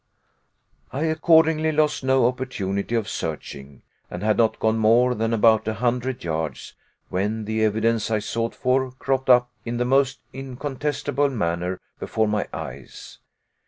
I accordingly lost no opportunity of searching, and had not gone more than about a hundred yards, when the evidence I sought for cropped up in the most incontestable manner before my eyes.